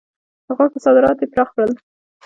د غوښو صادرات یې پراخ کړل.